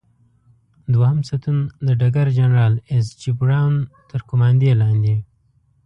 دوهم ستون د ډګر جنرال ایس جې براون تر قوماندې لاندې.